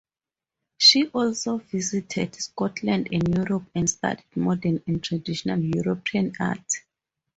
She also visited Scotland and Europe and studied modern and traditional European art.